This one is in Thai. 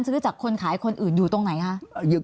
ซื้อจากคนขายคนอื่นอยู่ตรงไหนคะ